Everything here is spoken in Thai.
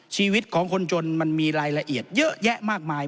ชีวิตของคนจนมันมีรายละเอียดเยอะแยะมากมาย